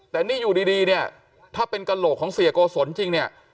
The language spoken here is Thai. แต่นี่อยู่ดีเนี่ยถ้าเป็นกระโหลกของเสียโกศลจริงเนี่ย